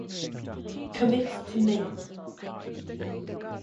Commit to main